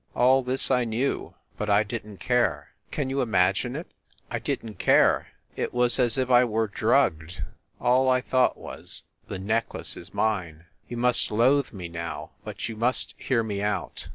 All this I knew, but I didn t care. Can you imagine it? I didn t care! It was as if I were drugged. All I thought was, "The necklace is mine !" You must loathe me, now, but you must hear me out.